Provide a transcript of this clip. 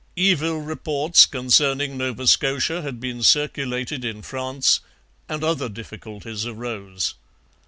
Evil reports concerning Nova Scotia had been circulated in France, and other difficulties arose.